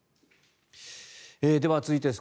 では、続いてです。